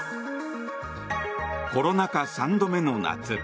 コロナ禍３度目の夏。